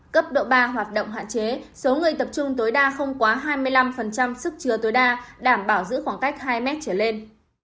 cấp độ ba hoạt động hạn chế số người tập trung tối đa không quá hai mươi năm sức chứa tối đa đảm bảo giữ khoảng cách hai mét trở lên